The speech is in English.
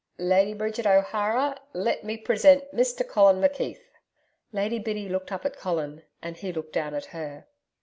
'Lady Bridget O'Hara, let me present Mr Colin McKeith.' Lady Biddy looked up at Colin and he looked down at her.